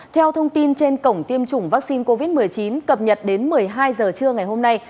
theo thông tin trên cổng tiêm chủng vaccine covid một mươi chín cập nhật đến một mươi hai h trưa ngày hôm nay